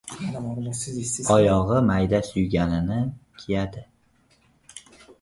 Oyog‘i mayda suyganini kiyadi